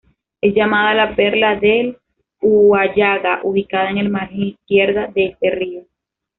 Es llamada la Perla del Huallaga, ubicada en la margen izquierda de este río.